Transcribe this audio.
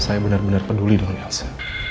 saya benar benar peduli dengan elsa